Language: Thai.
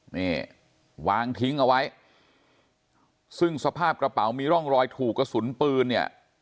นี่วางทิ้งเอาไว้ซึ่งสภาพกระเป๋ามีร่องรอยถูกกระสุนปืนเนี่ย